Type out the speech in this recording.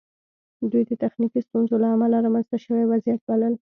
دوی د تخنیکي ستونزو له امله رامنځته شوی وضعیت بلل